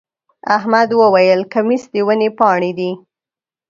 احمد وويل: کمیس د ونې پاڼې دی.